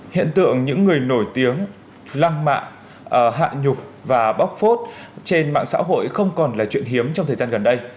hiện tượng những người nổi tiếng lăng mạ hạ nhục và bóc phốt trên mạng xã hội không còn là chuyện hiếm trong thời gian gần đây